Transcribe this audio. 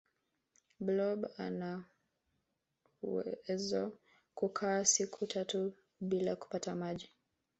blob anawezo kukaa siku tatu bila kupata maji